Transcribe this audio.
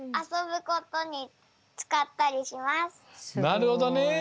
なるほどね！